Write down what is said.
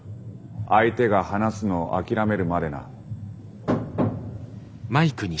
相手が話すのを諦めるまでな。